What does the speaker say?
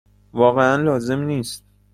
واقعا لازم نیست.